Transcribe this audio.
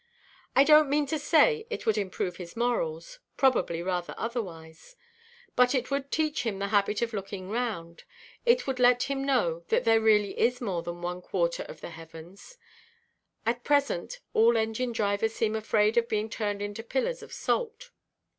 I donʼt mean to say it would improve his morals—probably rather otherwise; but it would teach him the habit of looking round; it would let him know that there really is more than one quarter of the heavens. At present, all engine–drivers seem afraid of being turned into pillars of salt.